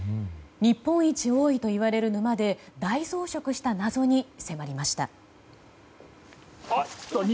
日本一多いといわれる沼で大増殖した謎に迫りました。